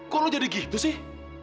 kok lo jadi gitu sih